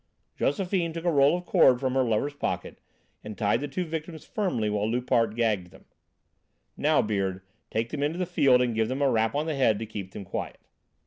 Josephine took a roll of cord from her lover's pocket and tied the two victims firmly while Loupart gagged them. "Now, Beard, take them into the field and give them a rap on the head to keep them quiet."